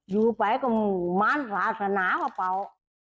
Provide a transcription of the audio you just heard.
อยู่ไปก็ม้านศาสนากระเป๋า